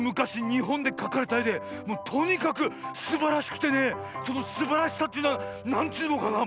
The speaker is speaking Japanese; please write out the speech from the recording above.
にほんでかかれたえでとにかくすばらしくてねそのすばらしさっていうのはなんちゅうのかな